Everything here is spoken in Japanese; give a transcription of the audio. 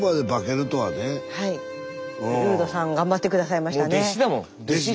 琉人さん頑張って下さいましたね。